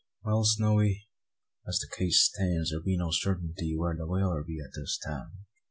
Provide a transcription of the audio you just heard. "Well, Snowy, as the case stands, thear be no sartinty where the whaler be at this time.